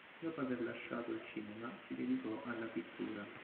Dopo aver lasciato il cinema, si dedicò alla pittura.